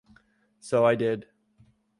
So I did.